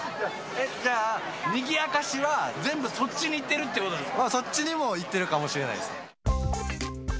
じゃあ、にぎやかしは全部そっちに行ってるってことですか？